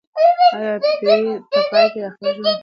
ایا پییر په پای کې د خپل ژوند رښتینی هدف وموند؟